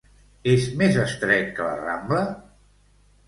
És més estret que la Rambla?